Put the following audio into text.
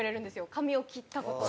髪を切った事を。